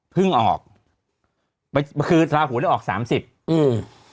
พึ่งออกคือลาขุนแล้วออกสามสิบอืม